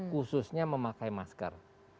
khususnya memakai masker